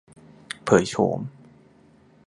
เผยโฉม